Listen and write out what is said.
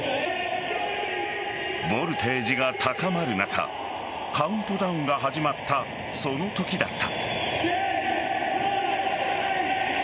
ボルテージが高まる中カウントダウンが始まったその時だった。